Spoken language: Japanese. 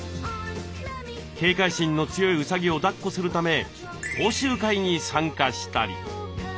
警戒心の強いうさぎをだっこするため講習会に参加したり。